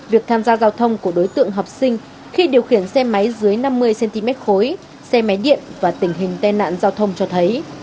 việc tham gia giao thông của đối tượng học sinh khi điều khiển xe máy dưới năm mươi cm khối xe máy điện và tình hình tai nạn giao thông cho thấy